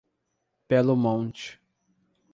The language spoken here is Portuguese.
Belo Monte